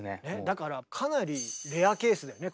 だからかなりレアケースだよね。